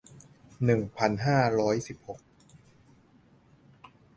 หนึ่งพันห้าร้อยสิบหก